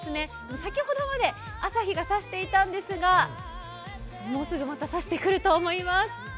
先ほどまで朝日が差していたんですが、もうすぐまた差してくると思います。